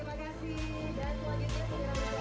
terima kasih dan selamat datang di sampai jumpa